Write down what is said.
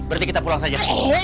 berarti kita pulang saja